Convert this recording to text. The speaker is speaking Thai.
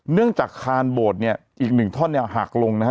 เนื่องจากคานโบสถ์เนี่ยอีกหนึ่งท่อนเนี่ยหักลงนะฮะ